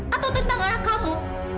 atau tentang anak kamu